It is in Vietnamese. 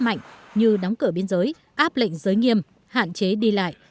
mạnh như đóng cửa biên giới áp lệnh giới nghiêm hạn chế đi lại